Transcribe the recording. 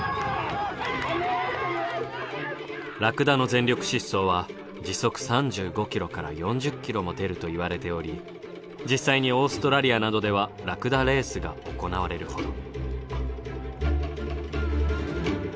ラクダの全力疾走は時速３５ｋｍから４０ｋｍも出るといわれており実際にオーストラリアなどではラクダレースが行われるほど。